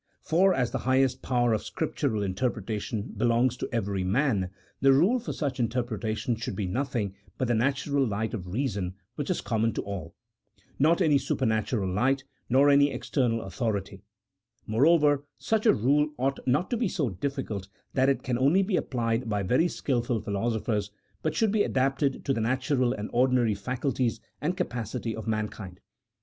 For as the highest power of Scriptural interpretation belongs to every man, the rule for such interpretation should be nothing but the natural light of reason which is common to all — not any supernatural light nor any external authority ; more over, such a rule ought not to be so difficult that it can only be applied by very skilful philosophers, but should be adapted to the natural and ordinary faculties and capacity of mankind.